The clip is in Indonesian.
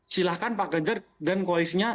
silahkan pak ganjar dan koalisinya